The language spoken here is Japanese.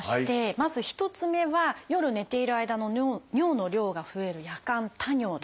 まず１つ目は夜寝ている間の尿の量が増える「夜間多尿」です